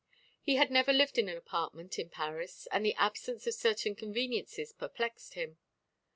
He had never lived in an apartment in Paris and the absence of certain conveniences perplexed him.